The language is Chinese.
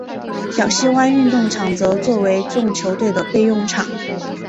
小西湾运动场则作为众球队的备用场。